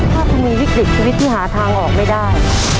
ถ้าคุณมีวิกฤตชีวิตที่หาทางออกไม่ได้